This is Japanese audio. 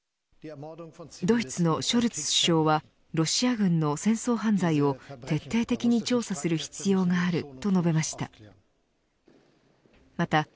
ドイツのショルツ首相はロシア軍の戦争犯罪を徹底的に調査する必要があると述べました。